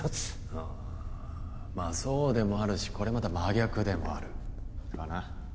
ああまあそうでもあるしこれまた真逆でもあるかな？